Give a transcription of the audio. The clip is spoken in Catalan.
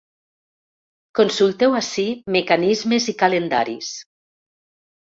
Consulteu ací mecanismes i calendaris.